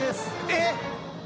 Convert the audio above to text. えっ！？